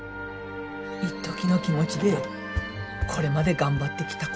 いっときの気持ちでこれまで頑張ってきた